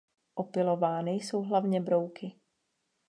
Opylovány jsou hlavně brouky.